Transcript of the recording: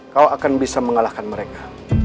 kau akan bisa mengalahkan mereka